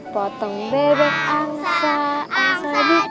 potong bebek angsa angsa dikulik